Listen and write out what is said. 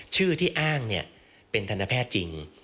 ชื่อที่อ้างเป็นธนแพทย์จริง